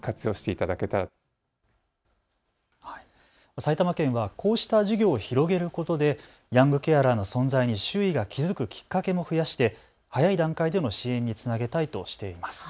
埼玉県はこうした授業を広げることでヤングケアラーの存在に周囲が気付くきっかけも増やして早い段階での支援につなげたいとしています。